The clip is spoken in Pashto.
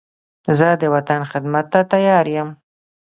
زه د وطن خدمت ته تیار یم.